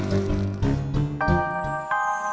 baik indri mau makan